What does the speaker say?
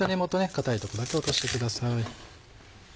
硬いとこだけ落としてください。